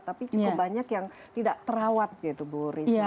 tapi cukup banyak yang tidak terawat gitu bu risma